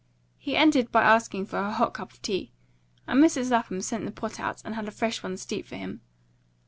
He ended by asking for a hot cup of tea; and Mrs. Lapham sent the pot out and had a fresh one steeped for him.